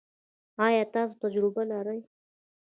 ایا تاسو تجربه لرئ؟